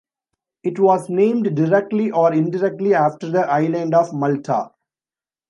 It was named directly or indirectly after the island of Malta.